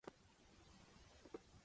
台湾，西方世界亦称福尔摩沙。